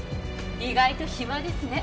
意外と暇ですね。